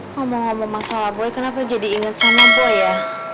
ngomong ngomong masalah boy kenapa jadi inget sama boy ya